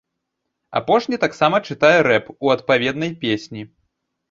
Апошні таксама чытае рэп у адпаведнай песні.